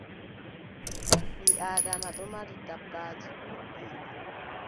Ɓii Aadama ɗon mari dabbaaji ɗuuɗɗi.